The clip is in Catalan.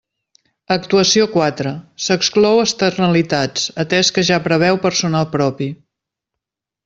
Actuació quatre: s'exclou externalitats, atès que ja preveu personal propi.